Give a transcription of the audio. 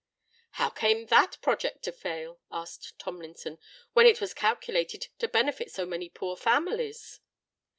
"How came that project to fail," asked Tomlinson, "when it was calculated to benefit so many poor families?"